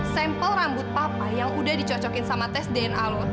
sampel rambut papa yang udah dicocokin sama tes dna loh